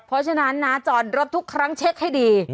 เพราะฉะนั้นนะจอดรถทุกครั้งเช็คให้ดี